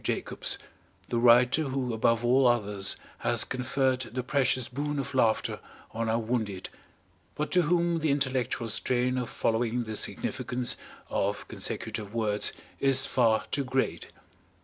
Jacobs, the writer who above all others has conferred the precious boon of laughter on our wounded but to whom the intellectual strain of following the significance of consecutive words is far too great.